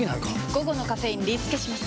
午後のカフェインリスケします！